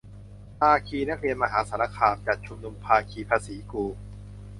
ภาคีนักเรียนมหาสารคาม จัดชุมนุม ภาคีภาษีกู